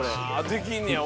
「できんねや。